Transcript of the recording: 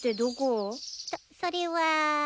そっそれは。